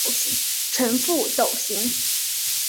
呈覆斗形。